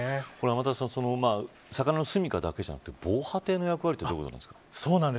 天達さん、魚の住みかだけじゃなくて防波堤の役割ってどういうことなんですか。